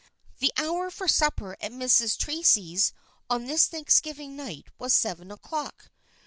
The hour for supper at Mrs. Tracy's on this Thanksgiving night was seven o'clock.